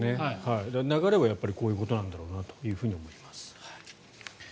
流れはやっぱりこういうことなんだろうなと思います。